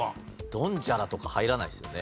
ドンジャラとか入らないですよね？